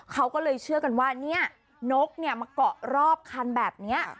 เขาก็เลยเชื่อกันว่าเนี่ยนกมาเกาะรอบคันแบบนี้